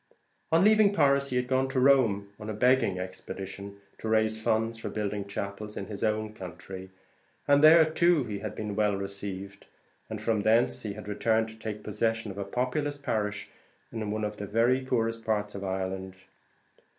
On leaving Paris he had gone to Rome on a begging expedition, to raise funds for building chapels in his own country, and there too he had been well received; and from thence he had returned to take possession of a populous parish in one of the very poorest parts of Ireland.